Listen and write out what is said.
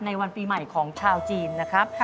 วันปีใหม่ของชาวจีนนะครับ